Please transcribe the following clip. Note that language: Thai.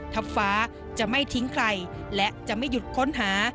ทัพฟ้าจะไม่ทิ้งใครและจะไม่หยุดค้นหา